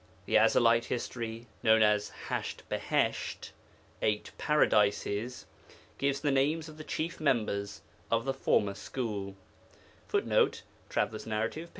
The Ezelite history known as Hasht Bihisht ('Eight Paradises') gives the names of the chief members of the former school, [Footnote: TN, p.